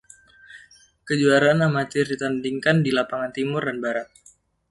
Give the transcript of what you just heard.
Kejuaraan Amatir ditandingkan di Lapangan Timur dan Barat.